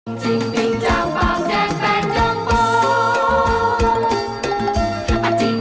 จิงปิงจังฟังแจงแปลงจงโปร่ง